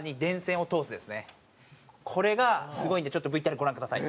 これがすごいんでちょっとＶＴＲご覧ください。